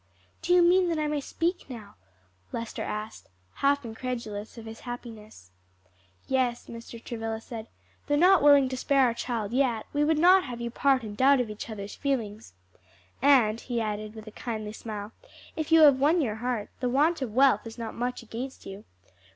"Do you mean that I may speak now?" Lester asked, half incredulous of his happiness. "Yes," Mr. Travilla said; "though not willing to spare our child yet, we would not have you part in doubt of each other's feelings. And," he added with a kindly smile, "if you have won her heart, the want of wealth is not much against you.